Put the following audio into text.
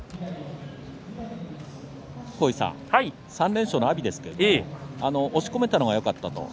３連勝の阿炎ですが押し込めたのがよかった。